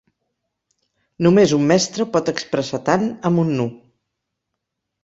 Només un mestre pot expressar tant amb un nu.